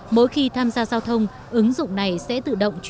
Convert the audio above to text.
mỗi khi tham gia giao thông